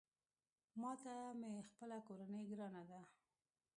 ماته مې خپله کورنۍ ګرانه ده